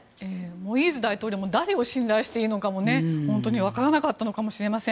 モイーズ大統領も誰を信頼していいのか分からなかったのかもしれません。